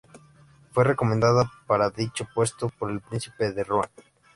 Fue recomendada para dicho puesto por el príncipe de Rohan.